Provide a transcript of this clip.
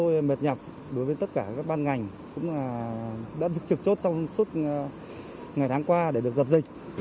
cùng tất cả những láng lôi mệt nhập đối với tất cả các ban ngành cũng là đã được trực chốt trong suốt ngày tháng qua để được dập dịch